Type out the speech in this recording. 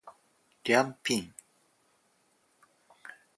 りゃんぴん